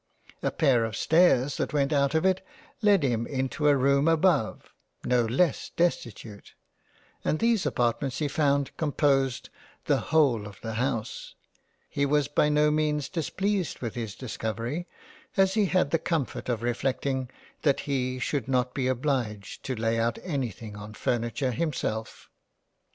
A pair of stairs that went out of it led him into a room above, no less destitute, and these apartments he found composed the whole 139 £ JANE AUSTEN of the House. He was by no means displeased with this discovery, as he had the comfort of reflecting that he should not be obliged to lay out anything on furniture himself —.